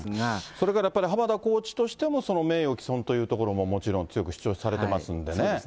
それからやっぱり、濱田コーチとしても名誉毀損というところも、もちろん強く主張されてますんでね。